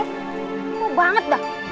ini mau banget dah